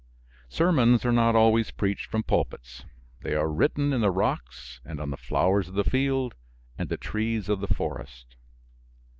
Sermons are not always preached from pulpits. They are written in the rocks and on the flowers of the field and the trees of the forest.